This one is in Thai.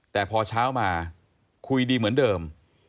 แต่พอเช้ามาคุยดีเหมือนเดิม